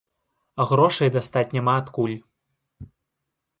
А грошай дастаць няма адкуль.